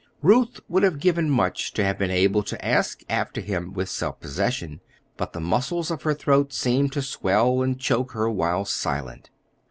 Ruth would have given much to have been able to ask after him with self possession, but the muscles of her throat seemed to swell and choke her while silent.